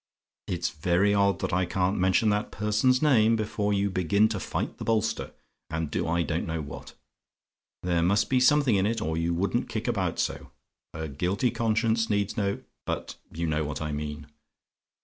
It's very odd that I can't mention that person's name but you begin to fight the bolster, and do I don't know what. There must be something in it, or you wouldn't kick about so. A guilty conscience needs no but you know what I mean.